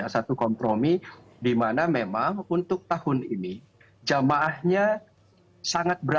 satu kompromi di mana memang untuk tahun ini jamaahnya sangat berbeda